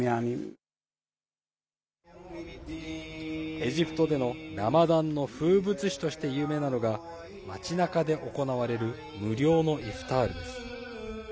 エジプトでのラマダンの風物詩として有名なのが街なかで行われる無料のイフタールです。